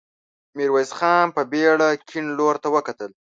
ميرويس خان په بېړه کيڼ لور ته وکتل.